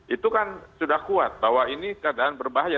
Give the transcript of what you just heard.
itu kan sudah kuat bahwa ini keadaan berbahaya